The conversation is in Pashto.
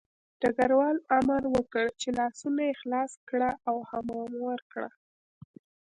ډګروال امر وکړ چې لاسونه یې خلاص کړه او حمام ورکړه